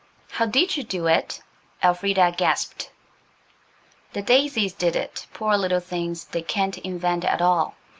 "How did you do it?" Elfrida gasped. "The daisies did it. Poor little things! They can't invent at all.